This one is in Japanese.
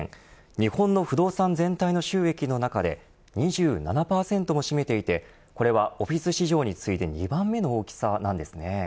日本の不動産全体の収益の中で２７％も占めていてこれはオフィス市場に次いで２番目の大きさなんですね。